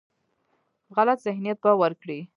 غلط ذهنیت به ورکړي.